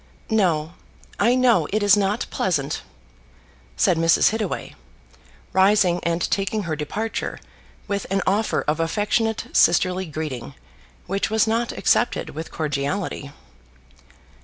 "No; I know it is not pleasant," said Mrs. Hittaway, rising, and taking her departure with an offer of affectionate sisterly greeting, which was not accepted with cordiality.